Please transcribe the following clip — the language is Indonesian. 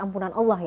ampunan allah ya